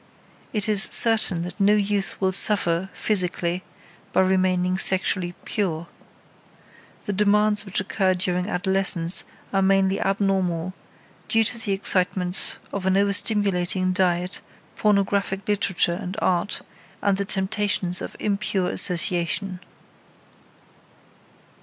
It is certain that no youth will suffer, physically, by remaining sexually pure. The demands which occur during adolescence are mainly abnormal, due to the excitements of an overstimulating diet, pornographic literature and art, and the temptations of impure association.